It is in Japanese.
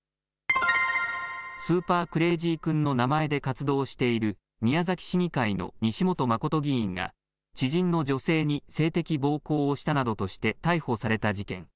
スーパークレイジー君の名前で活動している宮崎市議会の西本誠議員が知人の女性に性的暴行をしたなどとして逮捕された事件。